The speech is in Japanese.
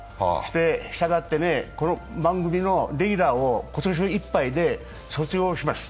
したがって、この番組のリーダーを今年いっぱいで卒業します。